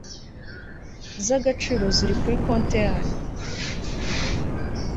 zagaciro ziri kuri konti yanyu